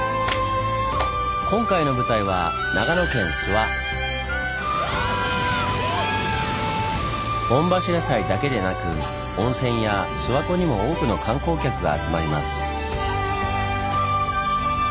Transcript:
今回の舞台は御柱祭だけでなく温泉や諏訪湖にも多くの観光客が集まります。